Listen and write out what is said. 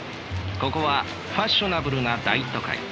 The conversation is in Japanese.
ここはファッショナブルな大都会。